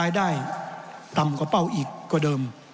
ไม่ได้ตำก็เป้าอีกกว่าเดิม